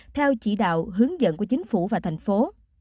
theo chỉ đạo hướng dẫn của chính phủ và thành phố